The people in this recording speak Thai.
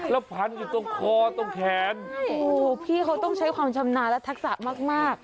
แล้วพันอยู่ตรงคอตรงแขนโอ้โหพี่เขาต้องใช้ความชำนาญและทักษะมากมาก